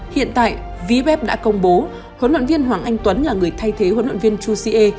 hiện tại vbep đã công bố huấn luyện viên hoàng anh tuấn là người thay thế huấn luyện viên chu siê